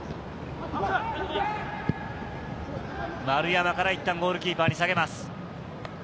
丸山からいったんゴールキーパーに下げます。